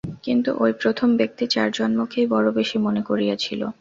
কিন্তু ঐ প্রথম ব্যক্তি চার জন্মকেই বড় বেশী মনে করিয়াছিল।